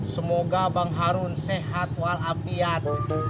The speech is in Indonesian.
semoga bang harun sehat walafiat